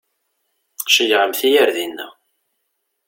Ceyyɛemt-iyi ar dina.